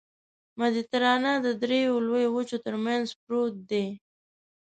مدیترانه د دریو لویو وچو ترمنځ پروت دی.